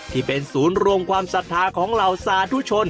ที่เป็นศูนย์รวมความศรัทธาของเหล่าสาธุชน